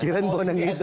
kira kira pon yang itu